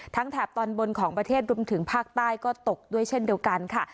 แถบตอนบนของประเทศรวมถึงภาคใต้ก็ตกด้วยเช่นเดียวกันค่ะ